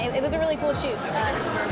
ini adalah film yang sangat keren